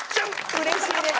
うれしいです。